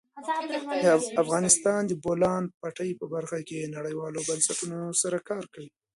افغانستان د د بولان پټي په برخه کې نړیوالو بنسټونو سره کار کوي.